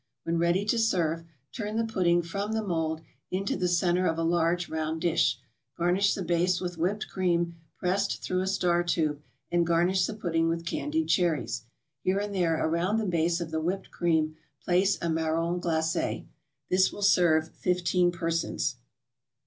When ready to serve, turn the pudding from the mold into the centre of a large round dish, garnish the base with whipped cream pressed through a star tube, and garnish the pudding with candied cherries. Here and there around the base of the whipped cream place a marron glacé. This will serve fifteen persons.